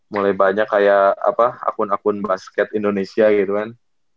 mulai banyak kayak apa akun akun basket indonesia gitu kan